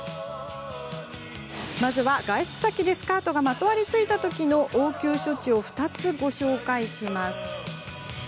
まずは、外出先でスカートがまとわりついたときの応急処置を２つご紹介します。